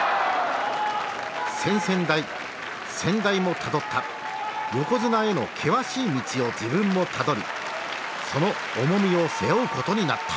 先々代先代もたどった横綱への険しい道を自分もたどりその重みを背負うことになった。